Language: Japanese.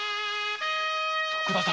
徳田様！